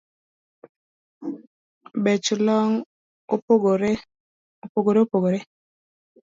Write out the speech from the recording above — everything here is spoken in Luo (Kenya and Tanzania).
Bech long’ opogore opogore